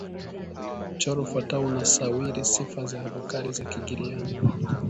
Mchoro ufuatao unasawiri sifa za vokali za Kigiryama